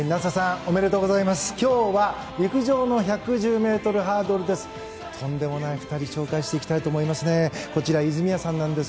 今日は陸上の１１０ｍハードルです。